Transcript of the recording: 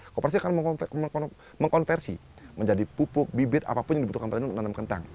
kooperasi akan mengkonversi menjadi pupuk bibit apapun yang dibutuhkan untuk nanam kentang